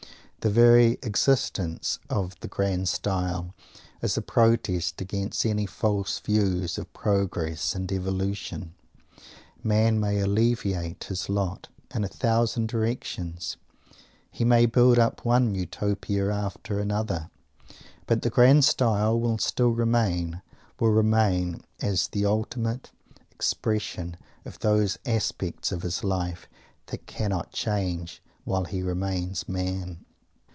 The very existence of the "grand style" is a protest against any false views of "progress" and "evolution." Man may alleviate his lot in a thousand directions; he may build up one Utopia after another; but the grand style will still remain; will remain as the ultimate expression of those aspects of his life that cannot change while he remains Man.